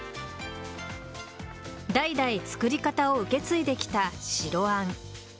代々作り方を受け継いできた白あん。